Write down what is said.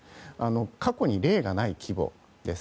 過去に例がない規模です。